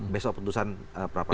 besok keputusan pra peradilan